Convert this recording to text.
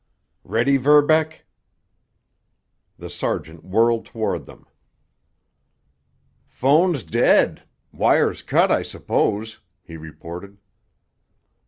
Ready, Verbeck?" The sergeant whirled toward them. "Phone's dead! Wires cut, I suppose!" he reported.